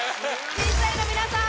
審査員の皆さん